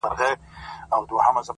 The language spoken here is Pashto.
هغه به زما له سترگو؛